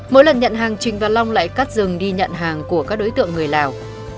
mỗi lần nhận hàng trình và long lại cắt rừng đi nhận hàng của các đối tượng người lào